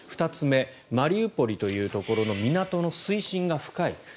２つ目、マリウポリというところの港の水深が深い。